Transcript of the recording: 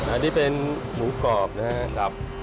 อันนี้เป็นหมูกรอบนะครับ